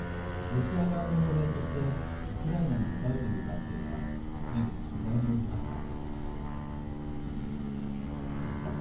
ロシア側のよう兵としてウクライナに向かうという男性が先月、取材に応じました。